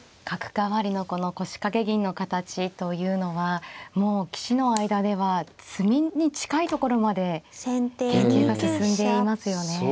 角換わりのこの腰掛け銀の形というのはもう棋士の間では詰みに近いところまで研究が進んでいますよね。